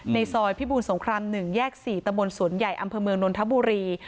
ซอยพิบูรสงคราม๑แยก๔ตะบนสวนใหญ่อำเภอเมืองนนทบุรี